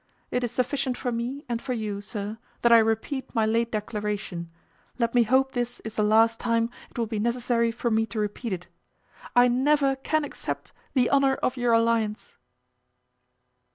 It is sufficient for me, and for you, sir, that I repeat my late declaration; let me hope this is the last time it will be necessary for me to repeat it—I never can accept the honour of your alliance."